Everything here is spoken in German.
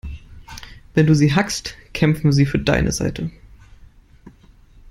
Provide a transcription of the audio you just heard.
Wenn du sie hackst, kämpfen sie für deine Seite.